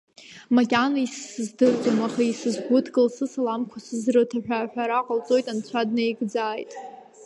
Макьана исыздырӡом, аха исызгәыдкыл, сысаламқәа сызрыҭа, ҳәа аҳәара ҟалҵоит анцәа днаигӡааит.